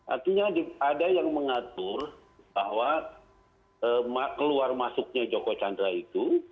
artinya ada yang mengatur bahwa keluar masuknya joko chandra itu